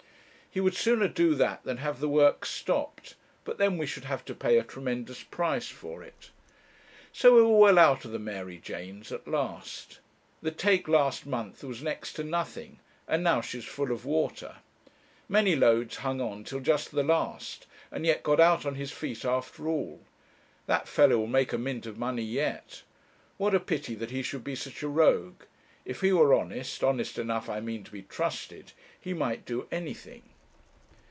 He would sooner do that than have the works stopped. But then we should have to pay a tremendous price for it. 'So we were well out of the Mary Janes at last. The take last month was next to nothing, and now she's full of water. Manylodes hung on till just the last, and yet got out on his feet after all. That fellow will make a mint of money yet. What a pity that he should be such a rogue! If he were honest, honest enough I mean to be trusted, he might do anything.